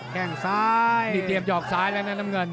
แค่งซ้ายนี่เตรียมหยอกซ้ายแล้วนะน้ำเงิน